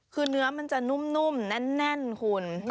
คือเนื้อมันจะนุ่มแน่นคุณ